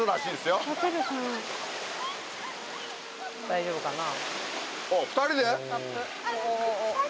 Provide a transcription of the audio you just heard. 大丈夫かな？